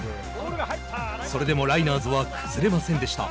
それでもライナーズは崩れませんでした。